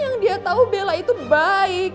yang dia tahu bella itu baik